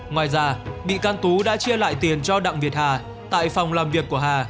ngoài ra bị can tú đã chia lại tiền cho đặng việt hà tại phòng làm việc của hà